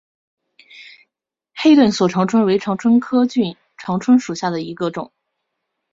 黑盾梭长蝽为长蝽科梭长蝽属下的一个种。